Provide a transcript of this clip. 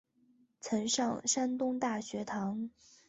曾上山东大学堂。